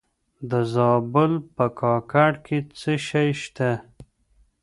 د زابل په کاکړ کې څه شی شته؟